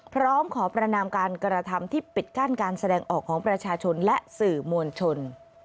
พร้อมขอประนามการกระทำที่ปิดกั้นการแสดงออกของประชาชนและสื่อมวลชน